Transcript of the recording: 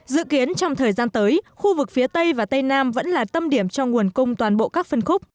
dự kiến trong thời gian tới khu vực phía tây và tây nam vẫn là tâm điểm cho nguồn cung toàn bộ các phân khúc